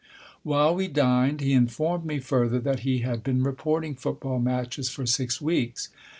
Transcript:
While we dined he informed me further that he had been reporting football matches for six weeks.